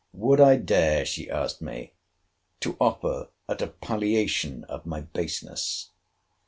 Would I dare, she asked me, to offer at a palliation of my baseness?